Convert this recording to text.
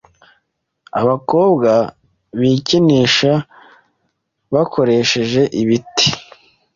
Abakobwa bikinisha bakoresheje ibiti